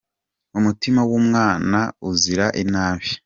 Umutima w'umwana uzira inabi.